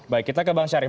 baik kita ke bang syarif